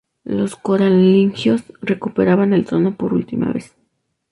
Los Carolingios recuperaban el trono por última vez.